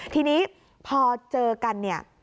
ทีนี้พอเจอกัน